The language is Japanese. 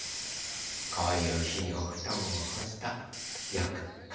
こういうひにおふとんをほすとよくかわくんですよね。